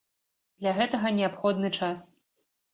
Для гэтага неабходны час.